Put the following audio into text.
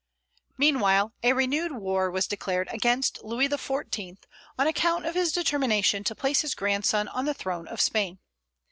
Meanwhile a renewed war was declared against Louis XIV. on account of his determination to place his grandson on the throne of Spain.